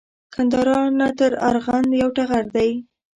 ګندارا نه تر ارغند یو ټغر دی